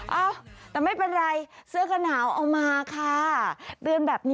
เอ้าแต่ไม่เป็นไรเสื้อกระหนาวเอามาค่ะ